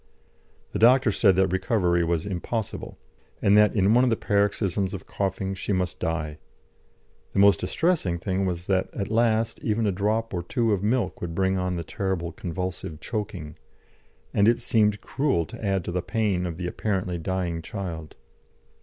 The doctor said that recovery was impossible, and that in one of the paroxysms of coughing she must die; the most distressing thing was that, at last, even a drop or two of milk would bring on the terrible convulsive choking, and it seemed cruel to add to the pain of the apparently dying child.